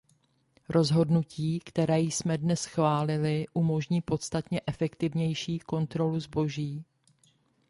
Rozhodnutí, které jsme dnes schválili, umožní podstatně efektivnější kontrolu zboží.